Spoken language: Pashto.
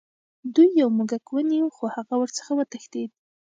دوی یو موږک ونیو خو هغه ورڅخه وتښتید.